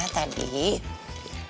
kata biiran tadi